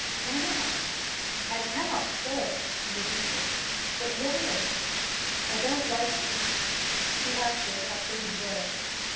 'Why not?' 'I cannot stay,' he repeated. 'But why?' 'I don't like you.' He acted up to his word.